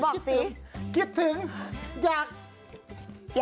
สวัสดีครับต้องสองท่านครับผม